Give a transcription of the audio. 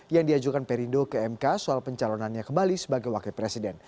yang diajukan perindo ke mk soal pencalonannya kembali sebagai wakil presiden